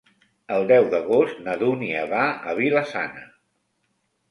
El deu d'agost na Dúnia va a Vila-sana.